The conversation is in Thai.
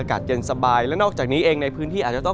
อากาศเย็นสบายและนอกจากนี้เองในพื้นที่อาจจะต้อง